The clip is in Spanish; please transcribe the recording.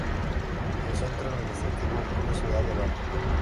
El centro administrativo es la ciudad de Banda.